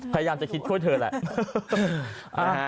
พยายามจะคิดช่วยเธอแหละ